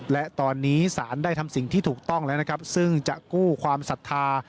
และตอนนี้สารได้ทำสิ่งที่ถูกต้องแล้วนะครับซึ่งจะกู้ความศรัทธา